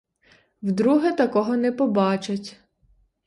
Вдруге такого не побачать.